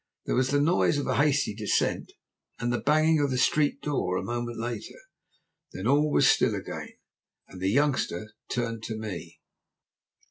There was the noise of a hasty descent and the banging of the street door a moment later, then all was still again, and the youngster turned to me.